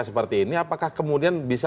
seperti ini apakah kemudian bisa